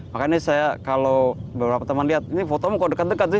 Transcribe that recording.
makanya saya kalau beberapa teman lihat ini fotomu kok dekat dekat sih